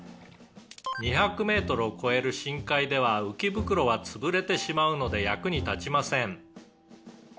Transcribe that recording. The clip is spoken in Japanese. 「２００メートルを超える深海では浮袋は潰れてしまうので役に立ちません」